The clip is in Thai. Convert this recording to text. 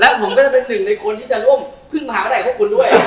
แล้วผมก็จะเป็นหนึ่งในคนที่จะร่วมพึ่งมหาภัยพวกคุณด้วย